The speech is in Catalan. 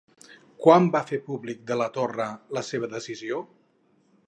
Quan va fer públic De la Torre la seva decisió?